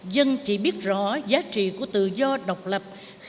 dân chỉ biết rõ giá trị của tự do độc lập